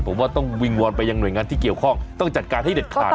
ผมว่าต้องวิงวอนไปยังหน่วยงานที่เกี่ยวข้องต้องจัดการให้เด็ดขาด